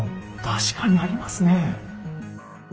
確かにありますね。